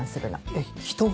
えっ人が？